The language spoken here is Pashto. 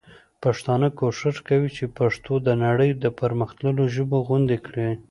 پښتانه کوښښ کوي چي پښتو د نړۍ د پر مختللو ژبو غوندي کړي.